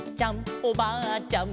おばあちゃんまで」